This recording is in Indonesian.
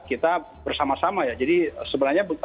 kita bersama sama ya jadi sebenarnya